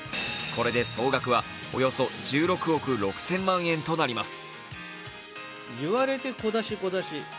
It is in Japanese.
これで、総額はおよそ１６億６０００万円となります。